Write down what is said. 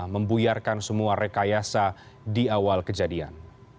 membuyarkan semua rekayasa di awal kejadian